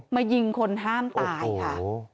มายิงคนห้ามตายค่ะ